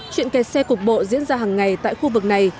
chuyện kẹt xe cục bộ diễn ra hàng ngày tại khu vực này